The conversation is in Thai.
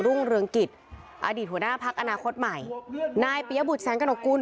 ถูกคิดภาพรา